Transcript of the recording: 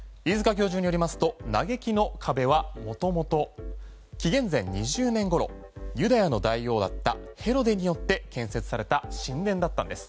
教授によりますと嘆きの壁は元々、紀元前２０年頃ユダヤの大王だったヘロデによって建設された神殿だったんです。